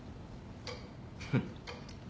フッ。